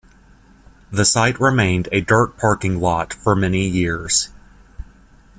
The site remained a dirt parking lot for many years.